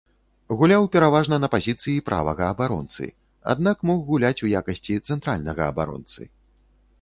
Гуляў пераважна на пазіцыі правага абаронцы, аднак мог гуляць у якасці цэнтральнага абаронцы.